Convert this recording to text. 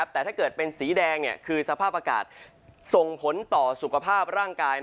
แต่ถ้าเกิดเป็นสีแดงคือสภาพอากาศส่งผลต่อสุขภาพร่างกาย